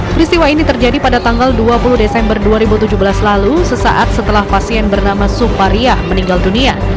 peristiwa ini terjadi pada tanggal dua puluh desember dua ribu tujuh belas lalu sesaat setelah pasien bernama supariah meninggal dunia